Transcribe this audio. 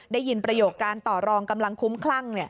ได้ยินประโยคการต่อรองกำลังคุ้มคลั่ง